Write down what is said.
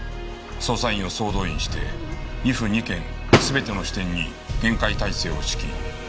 捜査員を総動員して２府２県全ての支店に厳戒態勢を敷き２５日を待った。